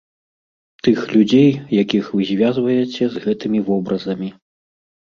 Тых людзей, якіх вы звязваеце з гэтымі вобразамі.